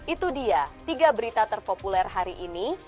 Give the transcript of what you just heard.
itu dia tiga berita terpopuler hari ini